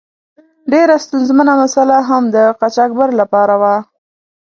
ډیره ستونزمنه مساله هم د قاچاقبر له پاره وه.